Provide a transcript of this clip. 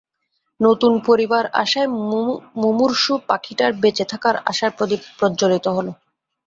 নতুন পরিবার আসায় মুমূর্ষূ পাখিটার বেঁচে থাকার আশার প্রদীপ প্রজ্জ্বলিত হলো।